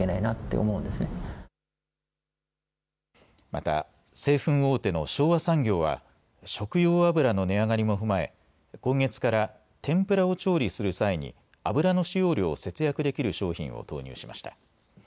また、製粉大手の昭和産業は食用油の値上がりも踏まえ今月から天ぷらを調理する際に油の使用量を節約できる商品を投入しました。